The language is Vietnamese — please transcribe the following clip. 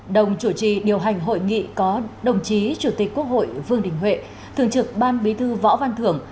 đồng chủ trì điều hành hội nghị có đồng chí chủ tịch quốc hội vương đình huệ thường trực ban bí thư võ văn thưởng